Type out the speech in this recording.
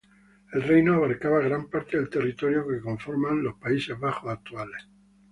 El reino abarcaba gran parte del territorio que conforma los Países Bajos actuales.